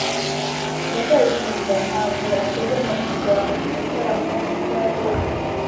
ndacyayisenga ntabwo ateganya kujya mu gitaramo cya jabo